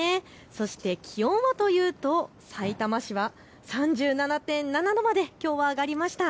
そして気温はというとさいたま市は３７．７度まできょうは上がりました。